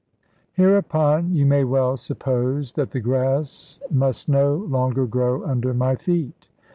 Hereupon, you may well suppose that the grass must no longer grow under my feet.